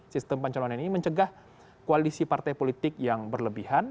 sistem pencalonan ini mencegah koalisi partai politik yang berlebihan